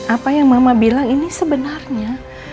apa yang mama bilang ini sebenarnya